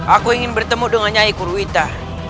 aku ingin bertemu dengan nyai kurwita